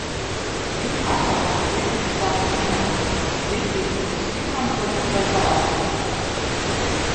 Viņi atļauj mums likviditāti izmainīt, likvīdi tos izmantot caur parādzīmēm.